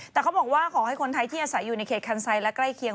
แต่เขาบอกว่าขอให้คนไทยที่อาศัยอยู่ในเขตคันไซค์และใกล้เคียง